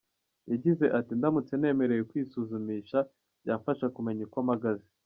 Yagize ati “Ndamutse nemerewe kwisuzumisha byamfasha kumenya uko mpagaze.